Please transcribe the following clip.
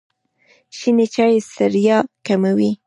شنې چایی ستړیا کموي.